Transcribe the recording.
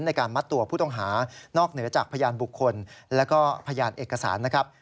ในการมัดตัวผู้ต้องหานอกเหนือจากพยานบุคคลแล้วก็พยานเอกสารนะครับ